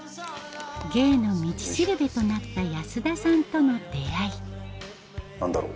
芸の道しるべとなった安田さんとの出会い何だろう？